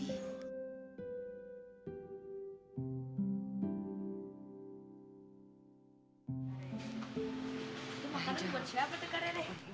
itu makanan buat siapa rere